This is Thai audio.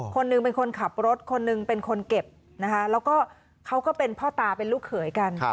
คนหนึ่งเป็นคนขับรถคนหนึ่งเป็นคนเก็บนะคะแล้วก็เขาก็เป็นพ่อตาเป็นลูกเขยกัน